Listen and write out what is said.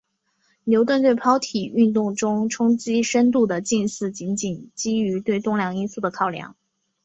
牛顿对抛体运动中冲击深度的近似仅仅基于对动量因素的考量。